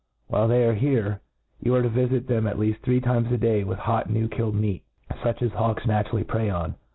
While .they are here, you are to vifit them at leaft three times a day with hot new killed 'meat, fuch as hawks naturally prey on.